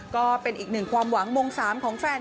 ก็เป็นอีกหนึ่งความหวังมง๓ของแฟน